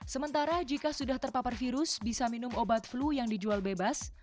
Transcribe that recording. sementara jika sudah terpapar virus bisa minum obat flu yang dijual bebas